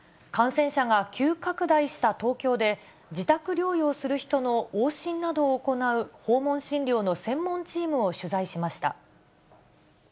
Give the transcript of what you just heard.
感染者が急拡大した東京で、自宅療養する人の往診などを行う訪問診療の専門チームを取材しま